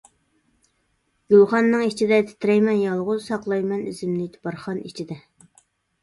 گۈلخاننىڭ ئىچىدە تىترەيمەن يالغۇز، ساقلايمەن ئىزىمنى بارخان ئىچىدە.